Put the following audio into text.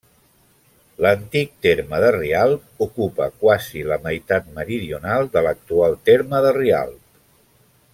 L'antic terme de Rialp ocupa quasi la meitat meridional de l'actual terme de Rialp.